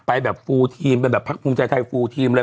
ไปแบบฟูทีมไปแบบพักภูมิใจไทย